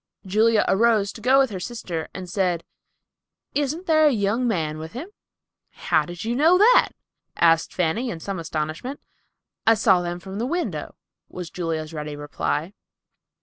Julia arose to go with her sister, and said, "Isn't there a young man with him?" "How did you know that?" asked Fanny, in some astonishment. "I saw them from the window," was Julia's ready reply.